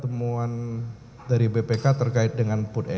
berita terkini dari pelajaran leuran global pertanian standar